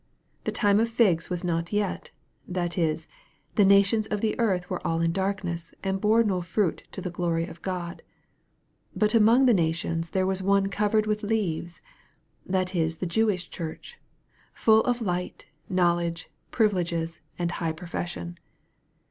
The time of figs was not yet, that is, the nations of the earth were all in darkness, and bore no fruit to the glory of God. But among the nations, there was one covered with leaves, that is the Jewish Church, full of light, knowledge, privileges and high profession.